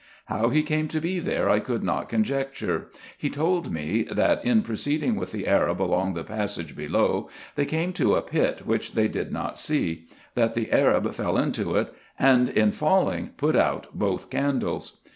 How he came to be there I could not conjecture. He told me, that, in proceeding with the Arab along the passage below, they came to a pit, wliich they did not see ; that the Arab fell into it, and in falling put out both candles.